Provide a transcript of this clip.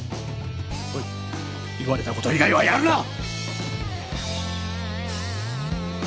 はい言われたこと以外はやるな！